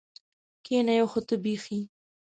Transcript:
کېنه یو خو ته بېخي.